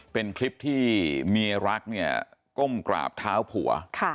เป็นคลิปที่เมียรักเนี่ยก้มกราบเท้าผัว